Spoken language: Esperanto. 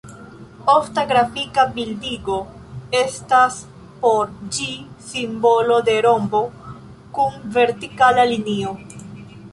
Ofta grafika bildigo estas por ĝi simbolo de rombo kun vertikala linio.